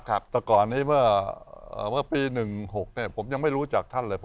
แต่ก่อนนี้เมื่อปี๑๖ผมยังไม่รู้จักท่านเลย